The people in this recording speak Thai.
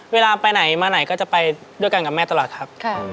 เวลาไปไหนมาไหนก็จะไปด้วยกันกับแม่ตลอดครับ